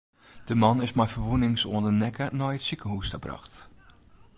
De man is mei ferwûnings oan de nekke nei it sikehûs brocht.